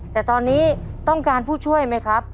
แต่ตอนนี้ต้องการผู้ช่วยไหมครับ